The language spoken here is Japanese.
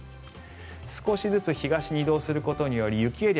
少しずつ東に移動することにより雪エリア